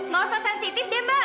nggak usah sensitif deh mbak